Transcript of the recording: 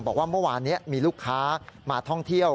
บอกว่าเมื่อวานนี้มีลูกค้ามาท่องเที่ยว